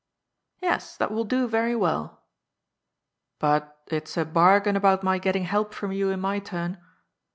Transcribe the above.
" Yes, that will do very well." " But it's a bargain about my getting help from you in my turn